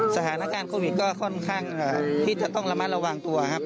สถานการณ์โควิดก็ค่อนข้างที่จะต้องระมัดระวังตัวครับ